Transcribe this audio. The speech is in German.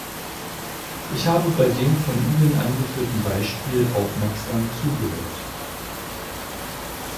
Ich habe bei dem von Ihnen angeführten Beispiel aufmerksam zugehört.